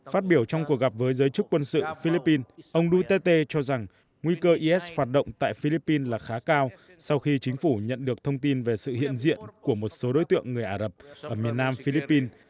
phát biểu trong cuộc gặp với giới chức quân sự philippines ông duterte cho rằng nguy cơ is hoạt động tại philippines là khá cao sau khi chính phủ nhận được thông tin về sự hiện diện của một số đối tượng người ả rập ở miền nam philippines